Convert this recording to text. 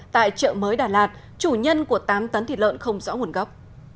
tại chợ mới đà lạt chủ nhân của tám tấn thịt lợn không rõ nguồn gốc